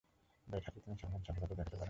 Bat হাতে তিনি তেমন সফলতা দেখাতে পারেননি।